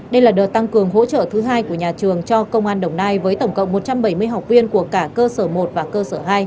đây là đợt tăng cường hỗ trợ thứ hai của nhà trường cho công an đồng nai với tổng cộng một trăm bảy mươi học viên của cả cơ sở một và cơ sở hai